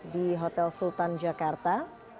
di hotel sultan jakarta